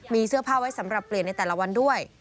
มีเสื้อผ้าไว้สำหรับเปลี่ยนในแต่ละวันด้วย